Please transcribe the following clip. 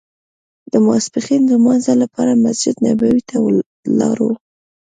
د ماسپښین لمانځه لپاره مسجد نبوي ته لاړو.